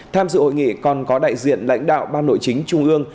tham dự hội nghị còn có đại diện lãnh đạo ban nội chính trung ương